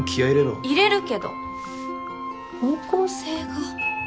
入れるけど方向性が。